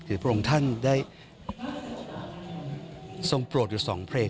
พระองค์ท่านได้ทรงโปรดอยู่สองเพลง